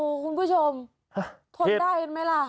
โอ้โฮคุณผู้ชมทนได้ไหมล่ะ